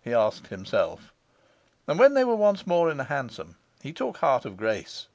he asked himself. And when they were once more in a hansom, he took heart of grace.